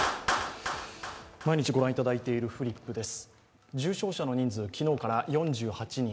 毎日御覧いただいているフリップです。